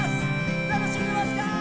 楽しんでますか？